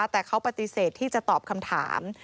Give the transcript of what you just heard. แต่เขาปฏิเสธที่จะตอบคำถาม